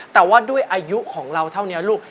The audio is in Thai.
แต่ว่าด้วยอายุของเราเท่านี้ลูก